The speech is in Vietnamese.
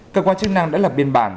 cơ quan chức năng đã lập biên bản